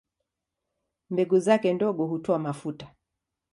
Mbegu zake ndogo hutoa mafuta.